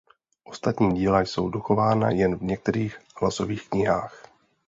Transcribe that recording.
Ostatní díla jsou dochována jen v některých hlasových knihách.